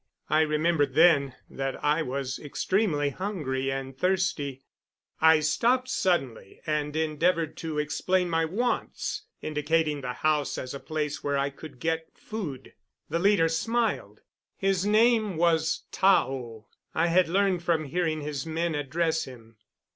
I remembered then that I was extremely hungry and thirsty. I stopped suddenly and endeavored to explain my wants, indicating the house as a place where I could get food. The leader smiled. His name was Tao, I had learned from hearing his men address him.